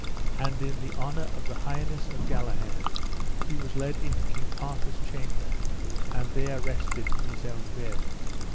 And in the honour of the highness of Galahad he was led into King Arthur's chamber, and there rested in his own bed.